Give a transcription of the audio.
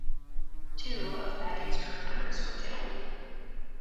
Two of Baggett's crew members were killed.